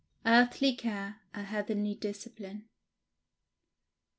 EARTHLY CARE A HEAVENLY DISCIPLINE.